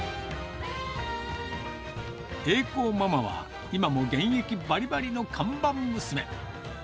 栄子ママは、今も現役ばりばりの看板娘。